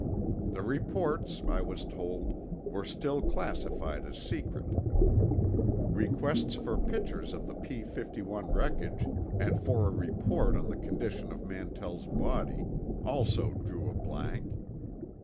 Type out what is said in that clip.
The reports, I was told, were still classified as secret. Requests for pictures of the P 51 wreckage, and for a report on the condition of Mantell's body, also drew a blank.